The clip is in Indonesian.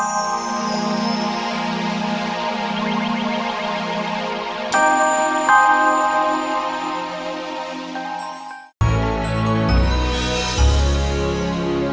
sampai jumpa lagi